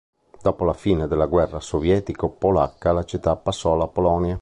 Dopo la fine della guerra sovietico-polacca la città passò alla Polonia.